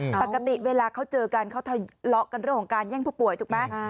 ปกติเวลาเขาเจอกันเขาทะเลาะกันเรื่องของการแย่งผู้ป่วยถูกไหม